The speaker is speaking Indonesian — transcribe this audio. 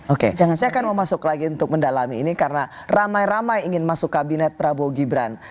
oke saya akan mau masuk lagi untuk mendalami ini karena ramai ramai ingin masuk kabinet prabowo gibran